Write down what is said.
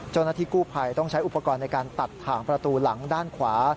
เจ้าหน้าที่กู้ภัยต้องใช้อุปกรณ์ในการตัดถ่างประตูหลังด้านขวา